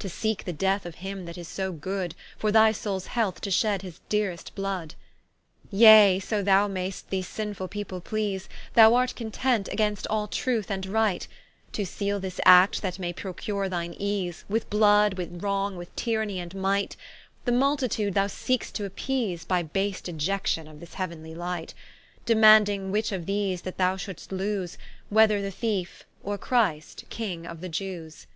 To seeke the death of him that is so good, For thy soules health to shed his dearest blood. Yea, so thou mai'st these sinful people please, Thou art content against all truth and right, To seale this act, that may procure thine ease With blood, and wrong, with tyrannie, and might; The multitude thou seekest to appease, By base deiection of this heauenly Light: Demanding which of these that thou shouldst loose, Whether the Thiefe, or Christ King of the Jewes.